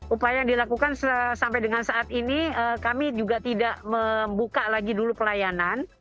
upaya yang dilakukan sampai dengan saat ini kami juga tidak membuka lagi dulu pelayanan